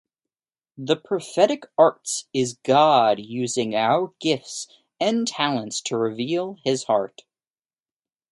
The Prophetic arts is God using our gifts and talents to reveal His heart.